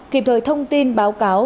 kịp thời thông tin báo cáo